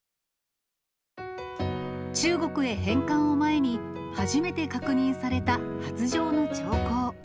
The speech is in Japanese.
中国へ返還を前に、初めて確認された発情の兆候。